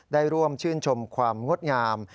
ได้ร่วมชื่นชมความงดงาม